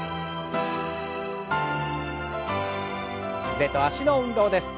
腕と脚の運動です。